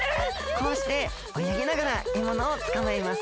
こうしておよぎながらえものをつかまえます。